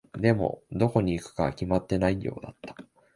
でも、どこに行くかは決まっていないようだった。